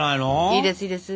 いいですいいです。